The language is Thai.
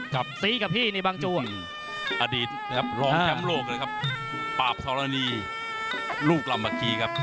กับสีกับพี่นี่บางจูอดีตนะครับร้องแคมป์โลกนะครับปราบทรณีลูกลำบัคคีครับ